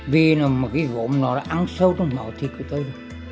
vì một cái gốm nó đã ăn sâu trong mỏ thịt của tôi